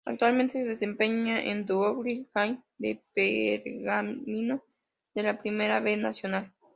Actualmente se desempeña en Douglas Haig de Pergamino de la Primera B Nacional.